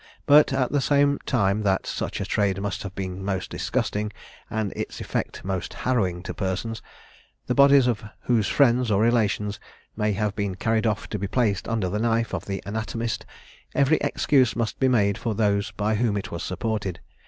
But at the same time that such a trade must have been most disgusting, and its effects most harrowing to persons, the bodies of whose friends or relations may have been carried off to be placed under the knife of the anatomist, every excuse must be made for those by whom it was supported.